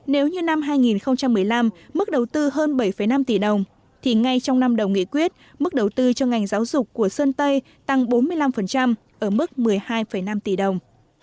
nếu như năm hai nghìn một mươi năm mức đầu tư hơn bảy năm tỷ đồng thì ngay trong năm đầu nghị quyết mức đầu tư cho ngành giáo dục của sơn tây tăng bốn mươi năm ở mức một mươi hai năm tỷ đồng